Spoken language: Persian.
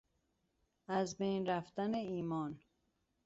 از بین رفتن ایمان